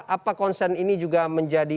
apa concern ini juga menjadi